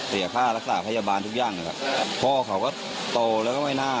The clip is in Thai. เสียค่ารักษาพยาบาลทุกอย่างนะครับพ่อเขาก็โตแล้วก็ไม่น่า